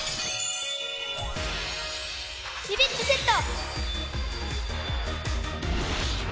ビビッとセット！